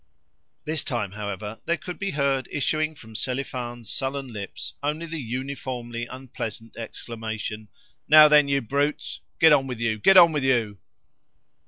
This time, however, there could be heard issuing from Selifan's sullen lips only the uniformly unpleasant exclamation, "Now then, you brutes! Get on with you, get on with you!"